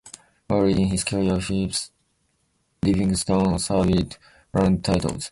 Early in his career, Philip Livingston surveyed land titles.